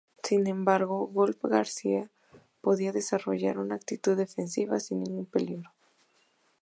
Sin embargo, Lope García podía desarrollar una actitud defensiva sin ningún peligro.